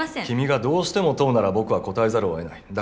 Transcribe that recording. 君がどうしても問うなら僕は答えざるをえない。